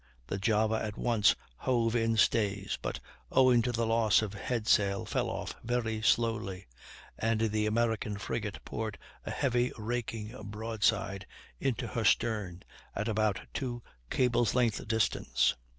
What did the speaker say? The Java at once hove in stays, but owing to the loss of head sail fell off very slowly, and the American frigate poured a heavy raking broadside into her stern, at about two cables' length distance.